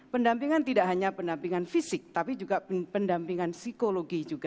pendampingan tidak hanya pendampingan fisik tapi juga pendampingan psikologi juga